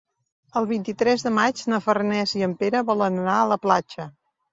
El vint-i-tres de maig na Farners i en Pere volen anar a la platja.